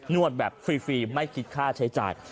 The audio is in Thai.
วดแบบฟรีไม่คิดค่าใช้จ่าย